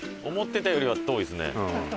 思ってたよりは遠いですね。